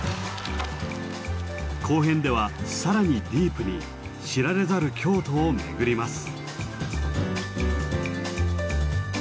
後編では更にディープに知られざる京都を巡ります。